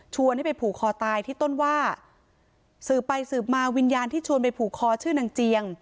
ให้ไปผูกคอตายที่ต้นว่าสืบไปสืบมาวิญญาณที่ชวนไปผูกคอชื่อนางเจียง